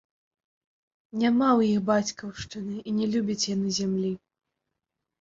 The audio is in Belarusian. Няма ў іх бацькаўшчыны і не любяць яны зямлі.